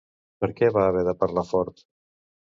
Per què va haver de parlar fort?